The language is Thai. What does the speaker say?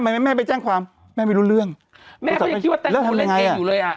แม่ไปแจ้งความแม่ไม่รู้เรื่องแม่ก็ยังคิดว่าแตงโมเล่นเกมอยู่เลยอ่ะ